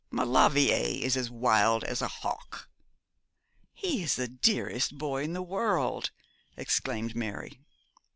'Maulevrier is as wild as a hawk.' 'He is the dearest boy in the world,' exclaimed Mary.